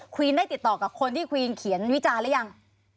วีนได้ติดต่อกับคนที่ควีนเขียนวิจารณ์หรือยัง